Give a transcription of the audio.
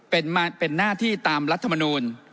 เป็นหน้าที่ตามรัฐมนูล